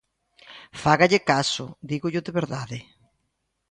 Fágalle caso, dígollo de verdade.